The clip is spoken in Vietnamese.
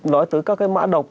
nói tới các cái mã độc